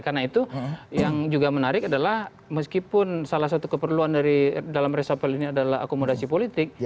karena itu yang juga menarik adalah meskipun salah satu keperluan dalam resafel ini adalah akomodasi politik